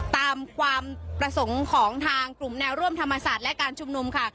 ตามความประสงค์ของทางกลุ่มแนวร่วมธรรมศาสตร์และการชุมนุมค่ะ